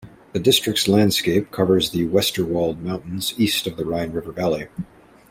The districts landscape covers the Westerwald mountains, east of the Rhine river valley.